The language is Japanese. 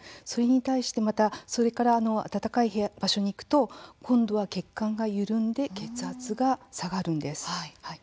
それに対して、またそれから暖かい部屋や場所に行くと今度は血管が緩んで血圧が下がるんです。